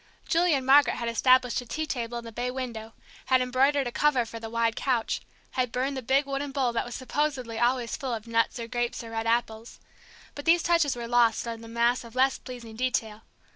Julie and Margaret had established a tea table in the bay window, had embroidered a cover for the wide couch, had burned the big wooden bowl that was supposedly always full of nuts or grapes or red apples. But these touches were lost in the mass of less pleasing detail.